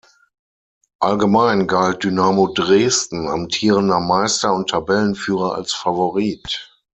Allgemein galt Dynamo Dresden, amtierender Meister und Tabellenführer, als Favorit.